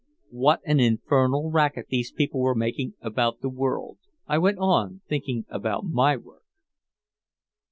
What an infernal racket these people were making about the world. I went on thinking about my work.